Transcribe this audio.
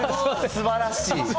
すばらしい。